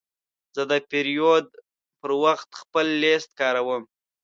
زه د پیرود پر وخت خپل لیست کاروم.